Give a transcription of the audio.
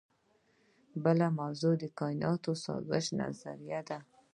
بله موضوع د کائناتي سازش نظریه ده.